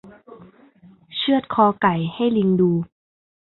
เชือดคอไก่ให้ลิงดู